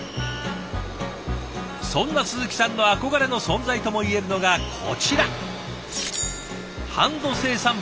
そんな鈴木さんの憧れの存在ともいえるのがこちら。